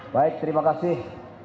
baik terima kasih